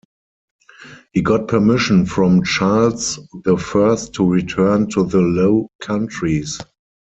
He got permission from Charles the First to return to the Low Countries.